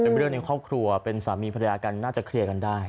เป็นเรื่องในครอบครัวเป็นสามีภรรยากันน่าจะเคลียร์กันได้